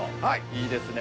いいですね。